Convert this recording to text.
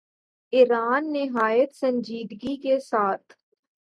ایران نہایت سنجیدگی کے ساتھ